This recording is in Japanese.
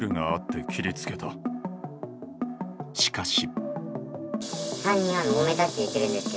しかし。